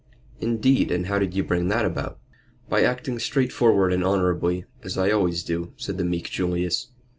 "Indeed! And how did you bring that about?" "By acting straightforward and honorably, as I always do," said the meek Julius.